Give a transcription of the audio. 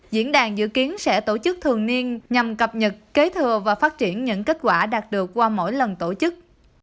diễn đàn dự kiến sẽ tổ chức thường niên nhằm cập nhật kế thừa và phát triển những kết quả đạt được qua mỗi lần tổ chức